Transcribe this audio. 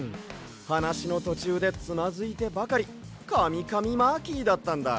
はなしのとちゅうでつまずいてばかりカミカミマーキーだったんだ。